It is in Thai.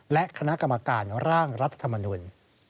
และคณะกรรมการร่างรัฐธรรมนุน